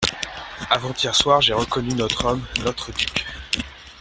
Avant-hier soir, j'ai reconnu notre homme, notre duc.